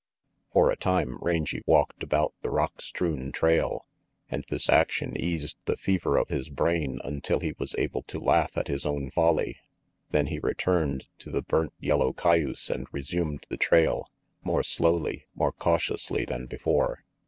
For a time Rangy walked about the rock strewn trail, and this action eased the fever of his brain until he was able to laugh at his own folly. Then he returned to the burnt yellow cayuse and resumed the trail, more slowly, more cautiously than before.